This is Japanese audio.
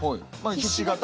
ひし形？